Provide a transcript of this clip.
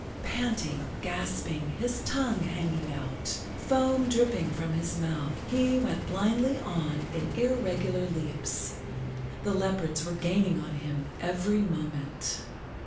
Panting, gasping, his tongue hanging out,[Pg 22] foam dripping from his mouth, he went blindly on in irregular leaps. The leopards were gaining on him every moment.